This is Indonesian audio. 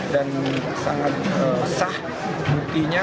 dan sangat sah buktinya